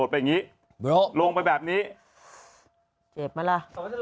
ที่ครั้งนี้แหละ